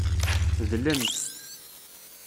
Dlent.